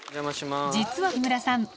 実は木村さん